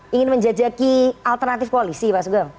ingin menjajaki alternatif polisi pak sugeng